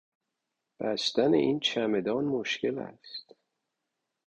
بستن این چمدان مشکل است.